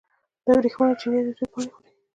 د ورېښمو چینجي د توت پاڼې خوري.